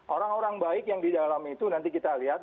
orang orang baik yang di dalam itu nanti kita lihat